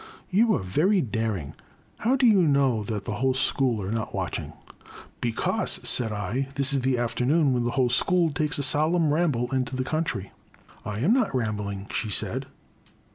You are very daring — ^how do you know that the whole school are not watching ?"Because," said I, *' this is the afternoon when the whole school takes a solemn ramble into the country." The Crime. 275 " I am not rambling/* she said.